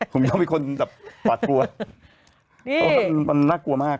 ผมยอมเป็นคนปัดปวดมันน่ากลัวมาก